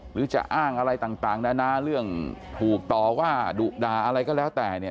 หรือจะอ้างอะไรต่างนานาเรื่องถูกต่อว่าดุด่าอะไรก็แล้วแต่เนี่ย